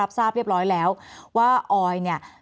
แอนตาซินเยลโรคกระเพาะอาหารท้องอืดจุกเสียดแสบร้อน